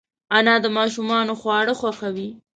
انا د ماشومانو خواړه خوښوي